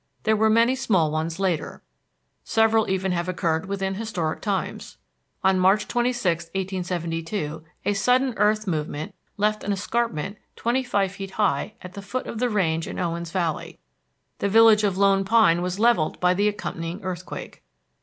There were many small ones later. Several even have occurred within historic times. On March 26, 1872, a sudden earth movement left an escarpment twenty five feet high at the foot of the range in Owens Valley. The village of Lone Pine was levelled by the accompanying earthquake.